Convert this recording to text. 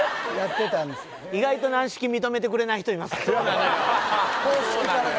意外と軟式認めてくれない人いますからそうなのよ